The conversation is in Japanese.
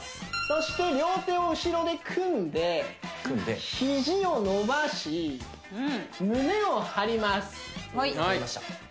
そして両手を後ろで組んで組んでヒジを伸ばし胸を張ります張りました